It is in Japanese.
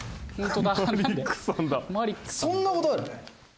そんなことある？